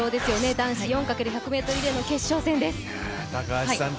男子４×１００ｍリレーの決勝戦です。